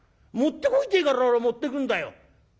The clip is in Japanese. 「持ってこいって言うから俺持ってくんだよ」。